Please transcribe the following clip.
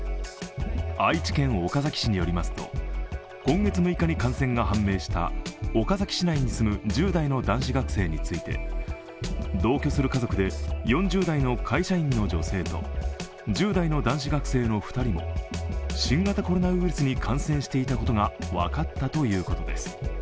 愛知県岡崎市によりますと今月６日に感染が判明した岡崎市内に住む１０代の男子学生について、同居する家族で、４０代の会社員の女性と１０代の男子学生の２人も新型コロナウイルスに感染していたことが分かったということです。